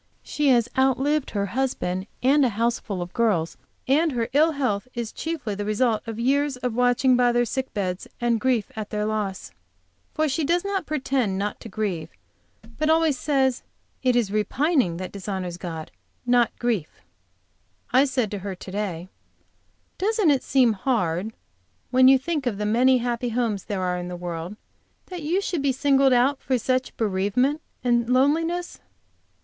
She has outlived her husband, a houseful of girls and her ill health is chiefly the result of years of watching by their sick beds, and grief at their loss. For she does not pretend not to grieve, but always says, "It is repining that dishonors God, not grief." I said to her to day: "Doesn't it seem hard when you think of the many happy homes there are in the world, that you should be singled out for such bereavement and loneliness?"